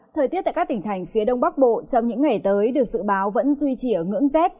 thời tiết tại các tỉnh thành phía đông bắc bộ trong những ngày tới được dự báo vẫn duy trì ở ngưỡng rét